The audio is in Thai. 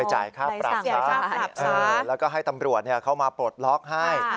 จ่ายค่าปรับซะแล้วก็ให้ตำรวจเข้ามาปลดล็อกให้